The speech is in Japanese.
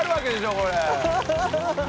これ。